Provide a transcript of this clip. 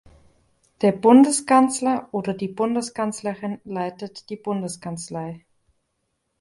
Der Bundeskanzler oder die Bundeskanzlerin leitet die Bundeskanzlei.